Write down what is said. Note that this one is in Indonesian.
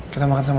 kita makan sampe